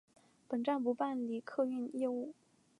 本站不办理客货运业务。